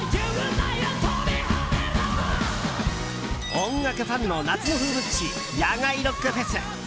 音楽ファンの夏の風物詩野外ロックフェス